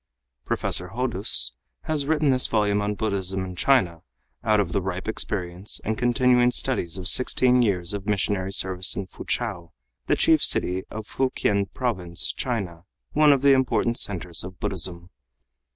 Professor Hodous has written this volume on Buddhism in China out of the ripe experience and continuing studies of sixteen years of missionary service in Foochow, the chief city of Fukien Province, China, one of the important centers of Buddhism.